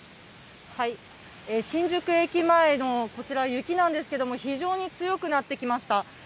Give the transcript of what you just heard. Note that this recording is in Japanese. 新宿駅前のこちら、雪なんですけれども、非常に強くなってきました。